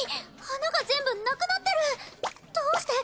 花が全部なくなってるどうして？